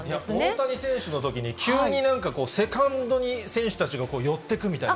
大谷選手のときに、急になんかこう、セカンドに選手たちが寄ってくみたいな。